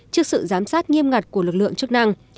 trước sự giám sát nghiêm ngặt của lực lượng chức năng